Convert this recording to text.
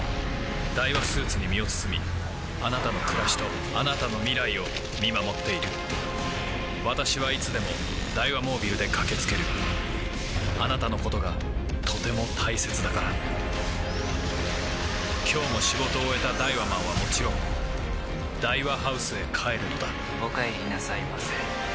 ダイワスーツに身を包みあなたの暮らしとあなたの未来を見守っている私はいつでもダイワモービルで駆け付けるあなたのことがとても大切だから今日も仕事を終えたダイワマンはもちろんダイワハウスへ帰るのだお帰りなさいませ。